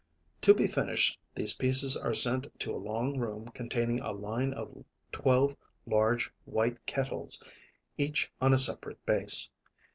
To be finished these pieces are sent to a long room containing a line of twelve large white kettles, each on a separate base.